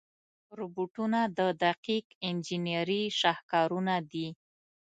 روبوټونه د دقیق انجنیري شاهکارونه دي.